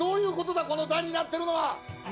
この段になってるのは！